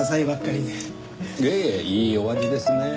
いえいえいいお味ですねぇ。